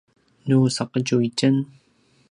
nu saqetju itjen